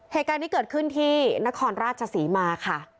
เหตุการณ์นี้เกิดขึ้นที่นครราชศรีมาค่ะ